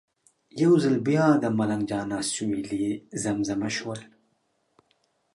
یو ځل بیا د ملنګ جان اسویلي زمزمه شول.